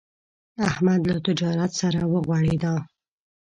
احمد له تجارت سره وغوړېدا.